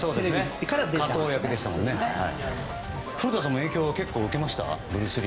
古田さんも影響は受けました？